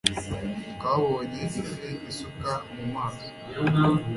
Twabonye ifi isuka mu mazi.